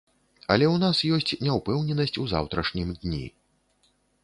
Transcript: Але ў нас ёсць няўпэўненасць у заўтрашнім дні.